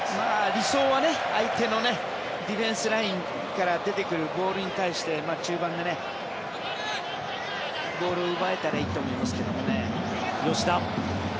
理想は相手のディフェンスラインから出てくるボールに対して中盤でボールを奪えたらいいと思いますけどね。